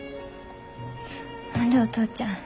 ほんでお父ちゃん